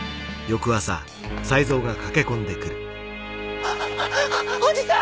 あぁおじさん！